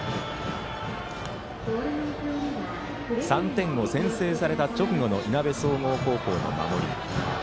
３点を先制された直後のいなべ総合高校の守り。